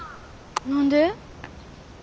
何で？